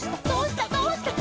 どうした？」